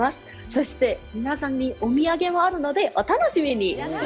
そして、皆さんにお土産もあるので、お楽しみに。